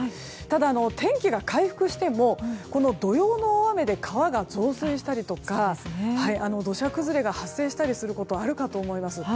ただ、天気が回復しても土曜の大雨で川が増水したりとか土砂崩れが発生したりすることもあるかと思います。